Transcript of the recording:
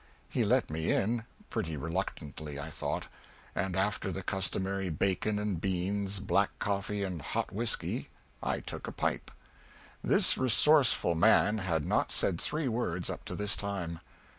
He let me in pretty reluctantly, I thought and after the customary bacon and beans, black coffee and hot whiskey, I took a pipe. This sorrowful man had not said three words up to this time.